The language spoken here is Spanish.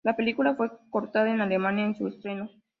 La película fue cortada en Alemania en su estreno.